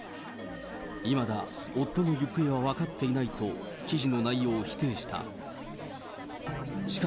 いまだ夫の行方は分かっていないと、記事の内容を否定した。